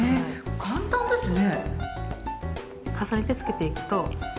簡単ですね。